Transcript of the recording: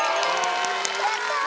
やった！